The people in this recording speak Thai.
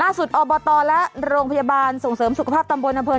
ล่าสุดอบตรแล้วโรงพยาบาลส่งเสริมสุขภาพตำบนอเภิร์